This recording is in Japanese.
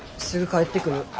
すぐ帰ってくる。